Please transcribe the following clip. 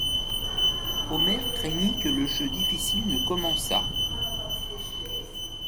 Omer craignit que le jeu difficile ne commençât.